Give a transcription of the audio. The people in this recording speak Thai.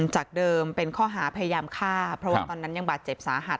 จากเดิมเป็นข้อหาพยายามฆ่าเพราะว่าตอนนั้นยังบาดเจ็บสาหัส